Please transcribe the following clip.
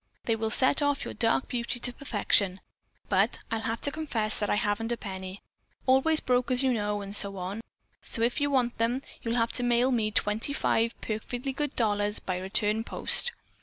They will set off your dark beauty to perfection. But I'll have to confess that I haven't a penny. Always broke, as you know, and so, if you want them, you'll have to mail me twenty five perfectly good dollars by return post.